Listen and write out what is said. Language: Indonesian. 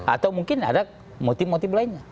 atau mungkin ada motif motif lainnya